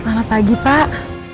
selamat pagi pak